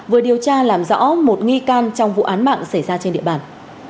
vừa điều tra làm rõ một nghi can trong vụ án mạng xảy ra trên địa bàn